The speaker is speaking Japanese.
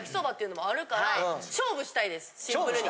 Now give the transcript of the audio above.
シンプルに。